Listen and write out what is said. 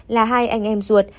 là hai anh em ruột